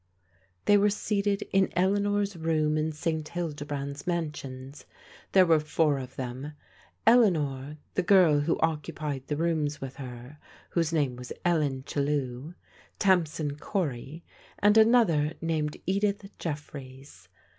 They were seated in Eleanor's room in St. Hilde brand's Mansions. There were four of them — Eleanor^ the girl who occupied the rooms with her, whose name was Ellen Qiellew, Tamsin Cory, and another named Edith Jeffreys.